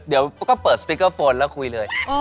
เดี๋ยวก็เปิดสปิกเกอร์โฟนแล้วคุยเลย